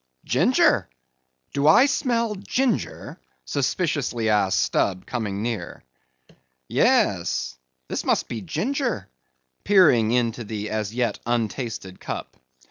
"Ginger? Do I smell ginger?" suspiciously asked Stubb, coming near. "Yes, this must be ginger," peering into the as yet untasted cup.